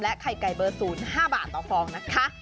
ไข่ไก่เบอร์๐๕บาทต่อฟองนะคะ